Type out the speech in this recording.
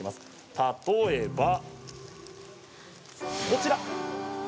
例えば、こちら。